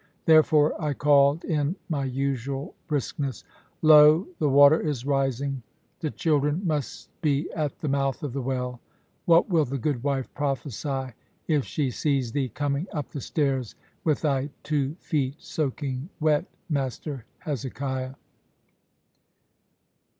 Therefore I called in my usual briskness, "Lo, the water is rising! The children must be at the mouth of the well. What will the good wife prophesy if she sees thee coming up the stairs with thy two feet soaking wet, Master Hezekiah?"